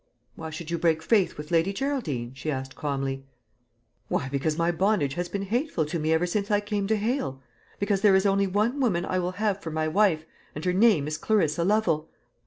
"Why should you break faith with Lady Geraldine?" she asked calmly. "Why! Because my bondage has been hateful to me ever since I came to Hale. Because there is only one woman I will have for my wife and her name is Clarissa Lovel!"